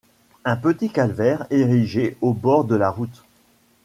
Un petit calvaire érigé au bord de la route.